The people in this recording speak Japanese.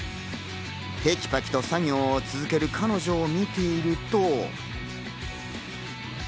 てきぱきと作業を続ける彼女を見ていると。